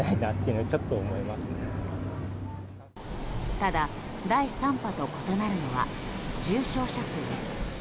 ただ、第３波と異なるのは重症者数です。